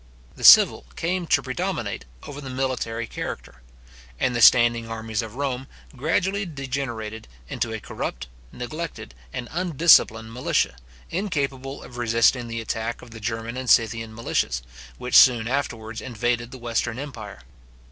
The civil came to predominate over the military character; and the standing armies of Rome gradually degenerated into a corrupt, neglected, and undisciplined militia, incapable of resisting the attack of the German and Scythian militias, which soon afterwards invaded the western empire.